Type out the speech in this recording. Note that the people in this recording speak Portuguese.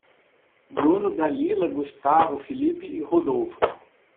Bruno, Dalila, Gustavo, Felipe e Rodolfo